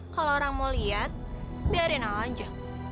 kalau orang mau lihat biarin apa aja